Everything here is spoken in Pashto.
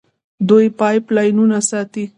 دوی پایپ لاینونه ساتي.